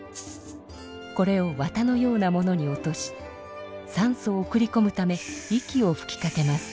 これをわたのようなものに落としさんそを送りこむため息をふきかけます。